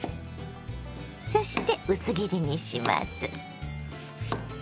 そして薄切りにします。